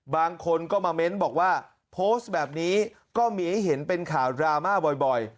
บางคนก็มาเม้นบอกว่าโพสต์แบบนี้ก็มีให้เห็นเป็นข่าวดราม่าบ่อย